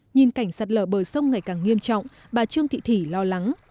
nhìn cảnh sạt lở bờ sông ngày càng nghiêm trọng bà trương thị thủy lo lắng